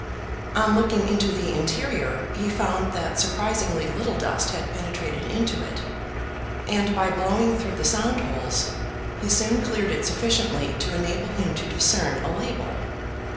On looking into the interior he found that surprisingly little dust had penetrated into it, and by blowing through the sound holes he soon cleared it sufficiently to enable him to discern a label.